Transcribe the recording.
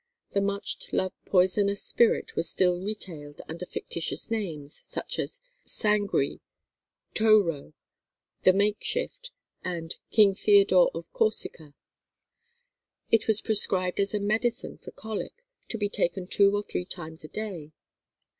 The much loved poisonous spirit was still retailed under fictitious names, such as "Sangree," "Tow Row," the "Makeshift," and "King Theodore of Corsica." It was prescribed as a medicine for colic, to be taken two or three times a day.